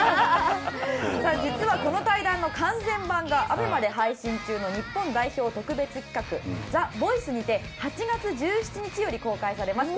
実はこの対談の完全版がＡＢＥＭＡで配信中の日本代表特別企画「ＴＨＥＶＯＩＣＥ」にて８月１７日より公開されます。